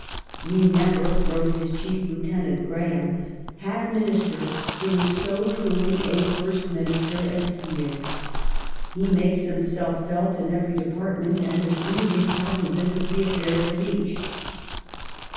" We never," wrote his chief lieutenant, Graham, " had a Minister who was so truly a first Minister as he is. He makes himself felt in every department and is really cognizant of the affairs of each."